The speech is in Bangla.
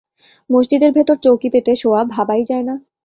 মসজিদের ভেতর চৌকি পেতে শোয়া-ভাবাই যায় না।